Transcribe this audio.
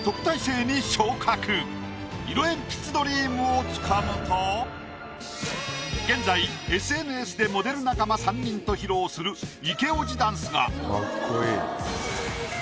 色えんぴつドリームをつかむと現在ＳＮＳでモデル仲間３人と披露するイケオジダンスが。